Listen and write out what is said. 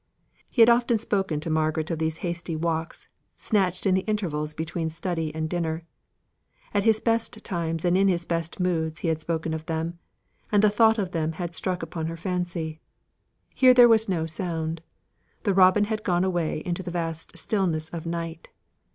He had often spoken to Margaret of these hasty walks, snatched in the intervals between study and dinner. At his best times and in his best moods had he spoken of them; and the thought of them had struck upon her fancy. Here there was no sound. The robin had gone away into the vast stillness of night.